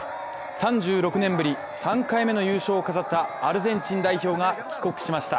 ３６年ぶり３回目の優勝を飾ったアルゼンチン代表が帰国しました。